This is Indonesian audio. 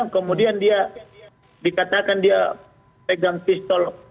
kemudian dia dikatakan dia pegang pistol